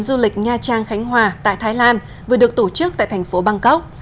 thưa quý vị hội nghị xúc tiến du lịch nha trang khánh hòa tại thái lan vừa được tổ chức tại thành phố bangkok